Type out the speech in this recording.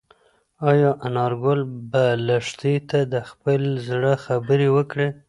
ایا انارګل به لښتې ته د خپل زړه خبره وکړي؟